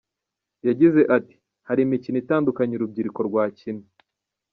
Yagize ati “Hari imikino itandukanye urubyiruko rwakina.